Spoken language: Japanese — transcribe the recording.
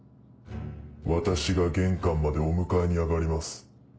私が玄関までお迎えに上がります。